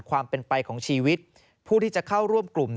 ความเป็นไปของชีวิตผู้ที่จะเข้าร่วมกลุ่ม